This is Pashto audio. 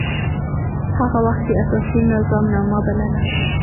هغه وخت يي اساسي نظامنامه بلله.